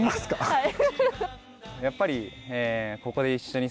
はい。